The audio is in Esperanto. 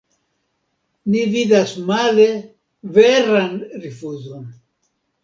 Ni vidas male veran rifuzon.